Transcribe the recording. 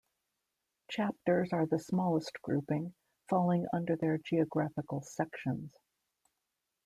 Chapters are the smallest grouping, falling under their geographical "sections".